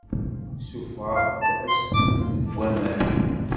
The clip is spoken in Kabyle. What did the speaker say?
Ssufeɣ-d aslem seg waman!